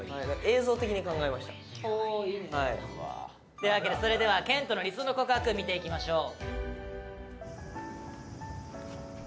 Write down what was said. というわけでそれでは謙杜の理想の告白見ていきましょう。